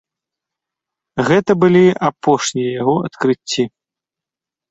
Гэта былі апошнія яго адкрыцці.